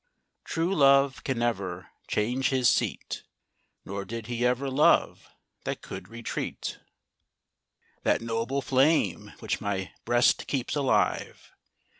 True love can never change his seat ; Nor did he ever love that can retreat. That noble flame, which my Ijreast keeps alive.